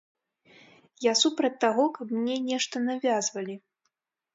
Я супраць таго, каб мне нешта навязвалі.